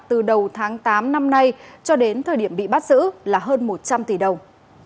từ đầu tháng tám năm nay cho đến thời điểm bị bắt giữ là hơn một trăm linh tỷ đồng